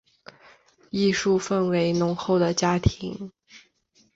艺术气氛浓厚的家庭